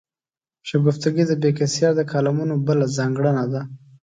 شګفتګي د بېکسیار د کالمونو بله ځانګړنه ده.